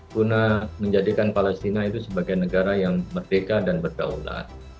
guna menjadikan palestina itu sebagai negara yang merdeka dan berdaulat